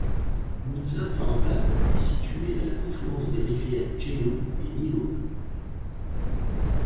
Muzaffarabad est située à la confluence des rivières Jhelum et Neelum.